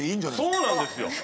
そうなんですよ。